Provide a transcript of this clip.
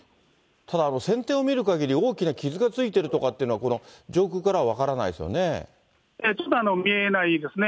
ただ船底を見るかぎり、大きな傷がついてるとかっていうのは、ちょっと見えないですね。